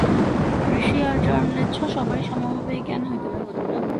ঋষি, আর্য এবং ম্লেচ্ছ সবারই সমভাবে এই জ্ঞান হতে পারে।